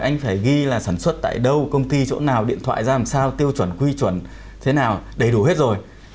anh phải ghi là sản xuất tại đâu công ty chỗ nào điện thoại ra làm sao tiêu chuẩn quy chuẩn thế nào đầy đủ hết rồi